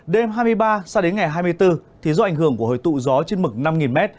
đêm hai mươi ba sao đến ngày hai mươi bốn thì do ảnh hưởng của hồi tụ gió trên mực năm m